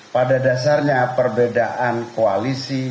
pada dasarnya perbedaan koalisi